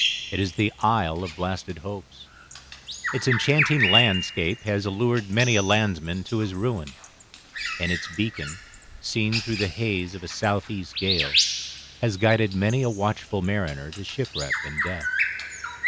It is the Isle of Blasted Hopes. Its enchanting landscape has allured many a landsman to his ruin, and its beacon, seen through the haze of a south east gale, has guided many a watchful mariner to shipwreck and death.